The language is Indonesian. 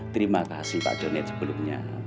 terima kasih pak joni sebelumnya